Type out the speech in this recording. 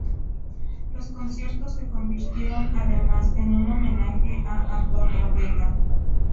Los conciertos se convirtieron además en un homenaje a Antonio Vega.